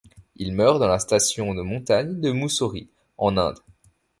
Il meurt dans la station de montagne de Mussoorie, en Inde.